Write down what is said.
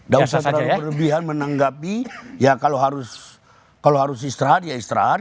daun satra perubihan menanggapi ya kalau harus istirahat ya istirahat